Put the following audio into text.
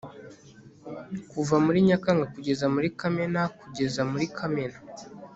KUVA MURI NYAKANGA KUGEZA MURI KAMENA KUGEZA MURI KAMENA